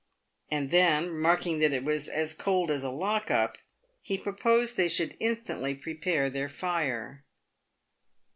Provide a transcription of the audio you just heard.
And then, remarking that it was "as cold as a lock up," he proposed they should instantly prepare their fire.